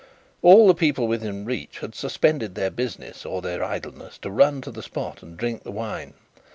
All the people within reach had suspended their business, or their idleness, to run to the spot and drink the wine.